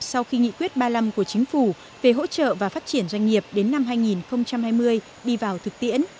sau khi nghị quyết ba mươi năm của chính phủ về hỗ trợ và phát triển doanh nghiệp đến năm hai nghìn hai mươi đi vào thực tiễn